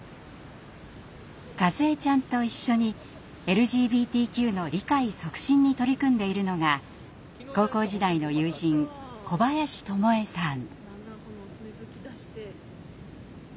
かずえちゃんと一緒にＬＧＢＴＱの理解促進に取り組んでいるのが高校時代の友人小林智映さん。